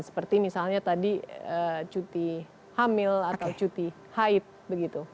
seperti misalnya tadi cuti hamil atau cuti haid begitu